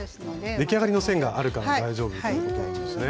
出来上がりの線があるから大丈夫ということなんですね。